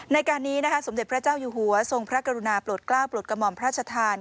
ในการนี้นะคะสมเด็จพระเจ้าอยู่หัวทรงพระกรุณาปลดกล้าปลดกระหม่อมพระชธาน